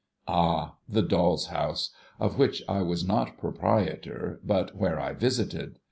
Ah ! The Doll's house !— of which I was not proprietor, but where I visited.